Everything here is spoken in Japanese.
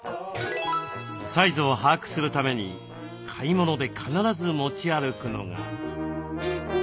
サイズを把握するために買い物で必ず持ち歩くのが。